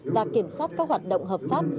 và kiểm soát các hoạt động hợp pháp